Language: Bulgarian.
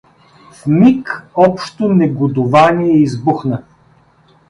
В миг общо негодувание избухна.